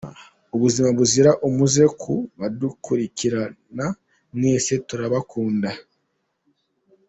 Ubuzima buzira umuze ku badukurikirana mwese turabakunda.